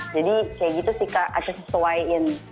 jadi kayak gitu sih aca sesuaiin